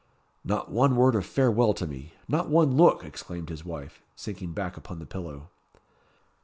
"Not one word of farewell to me! not one look!" exclaimed his wife, sinking back upon the pillow.